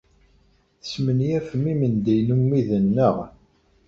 Tesmenyafem imendiyen ummiden, naɣ?